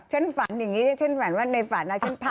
ฉันฝันอย่างนี้ฉันฝันว่าในฝันนะฉันพระ